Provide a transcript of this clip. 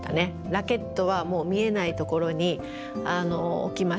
ラケットはもう見えないところに置きましたし。